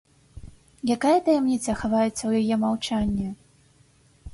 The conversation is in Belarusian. Якая таямніца хаваецца ў яе маўчанні?